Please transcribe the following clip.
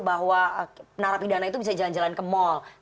bahwa narapidana itu bisa jalan jalan ke mall